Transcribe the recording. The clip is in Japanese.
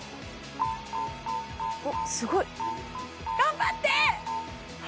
おっすごい！頑張って！